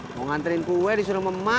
mau nganterin kue disuruh memak